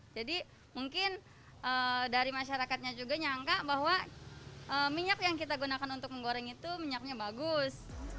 jadi mungkin dari masyarakatnya juga nyangka bahwa minyak yang kita gunakan untuk menggoreng itu minyaknya bagus